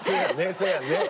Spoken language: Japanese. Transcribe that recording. そうやね。